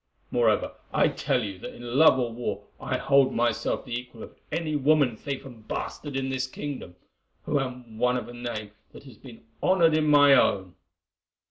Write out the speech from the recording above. Moreover, I tell you that in love or war I hold myself the equal of any woman thief and bastard in this kingdom, who am one of a name that has been honoured in my own."